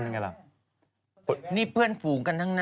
พวกมึงขอโทษ